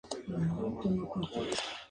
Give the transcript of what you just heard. Está delimitado por las calles La Pampa, Av.